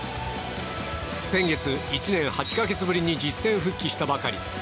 先月、１年８か月ぶりに実戦復帰したばかり。